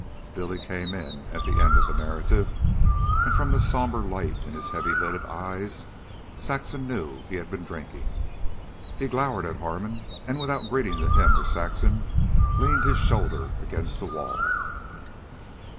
Billy came in at the end of the narrative, and from the somber light in his heavy lidded eyes Saxon knew he had been drinking. He glowered at Harmon, and, without greeting to him or Saxon, leaned his shoulder against the wall.